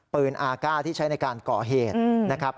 อาก้าที่ใช้ในการก่อเหตุนะครับ